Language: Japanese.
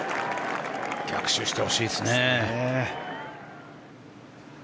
逆襲してほしいですね。